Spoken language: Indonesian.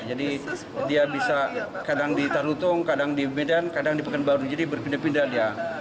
jadi dia bisa kadang ditarutung kadang diimbedan kadang di pekanbaru jadi berpindah pindah dia